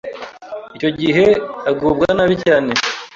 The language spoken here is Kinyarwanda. icyo gihe agubwa nabi cyane,